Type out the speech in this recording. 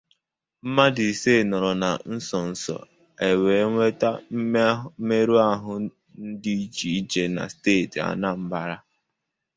Mmadụ ise nọrọ na nsonso a wee nweta mmerụahụ n'ụdị icheiche na steeti Anambra